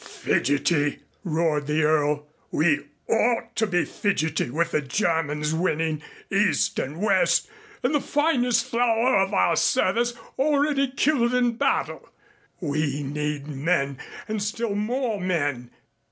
"Fidgety!" roared the Earl. "We ought to be fidgety with the Germans winning east and west and the finest flower of our service already killed in battle. We need men and still more men.